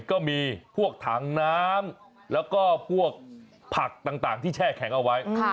ก็มีพวกถังน้ำแล้วก็พวกผักต่างที่แช่แข็งเอาไว้